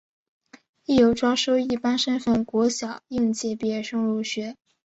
亦有招收一般身份国小应届毕业生入学。